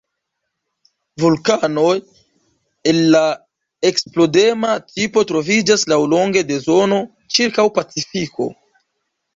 Vulkanoj el la eksplodema tipo troviĝas laŭlonge de zono ĉirkaŭ Pacifiko.